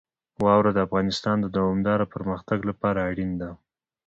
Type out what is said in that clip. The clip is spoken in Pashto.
واوره د افغانستان د دوامداره پرمختګ لپاره اړین دي.